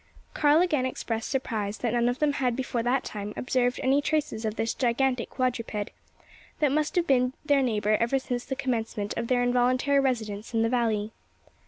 Karl again expressed surprise that none of them had before that time observed any traces of this gigantic quadruped, that must have been their neighbour ever since the commencement of their involuntary residence in the valley.